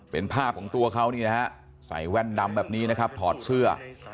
เป็นภาพของตัวเขานี่นะฮะใส่แว่นดำแบบนี้นะครับถอดเสื้อ